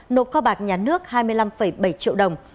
nộp kho bạc nhà nước hai mươi năm bảy triệu đồng